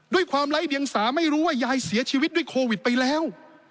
ไร้เดียงสาไม่รู้ว่ายายเสียชีวิตด้วยโควิดไปแล้ว